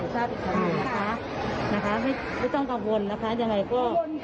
ไม่ต้องกังวลนะคะยังไงก็